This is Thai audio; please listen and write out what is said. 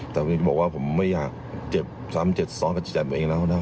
แต่ผมจะบอกว่าผมไม่อยากเจ็บซ้ำเจ็ดซ้อนกับจิตใจตันตัวเองแล้ว